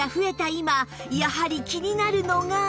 今やはり気になるのが